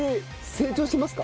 成長してますか？